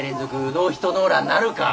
ノーヒットノーランなるか。